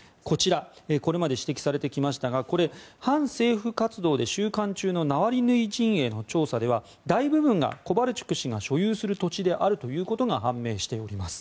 これまで指摘されてきましたが反政府活動で収監中のナワリヌイ陣営の調査では大部分がコバルチュク氏が所有する土地であるということが判明しております。